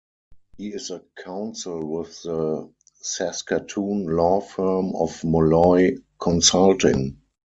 He is a counsel with the Saskatoon law firm of Molloy Consulting.